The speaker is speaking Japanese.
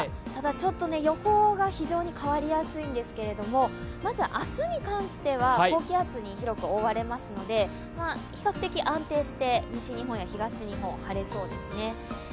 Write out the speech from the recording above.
ただ、予想が変わりやすいんですけれども、まず、明日に関しては高気圧に広く覆われますので比較的安定して西日本や東日本、晴れそうですね。